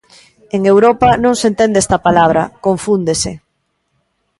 En Europa non se entende esta palabra, confúndese...